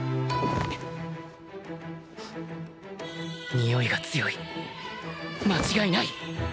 においが強い間違いない！